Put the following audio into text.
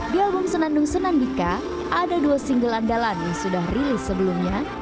di album senandung senandika ada dua single andalan yang sudah rilis sebelumnya